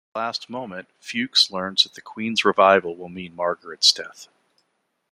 At the last moment Fuchs learns that the queen's revival will mean Margaret's death.